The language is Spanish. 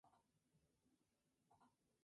La Jolla, San Diego